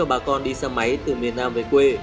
bà con đi xe máy từ miền nam về quê